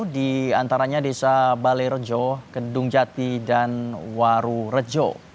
di antaranya desa balai rejo kendung jati dan waru rejo